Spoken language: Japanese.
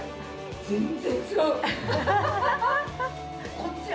全然違う。